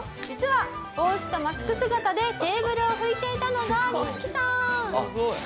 「実は帽子とマスク姿でテーブルを拭いていたのが光輝さん」